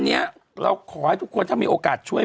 เป็นการกระตุ้นการไหลเวียนของเลือด